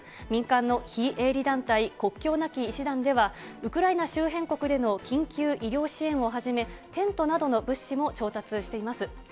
民間の非営利団体国境なき医師団では、ウクライナ周辺国での緊急医療支援をはじめ、テントなどの物資も調達しています。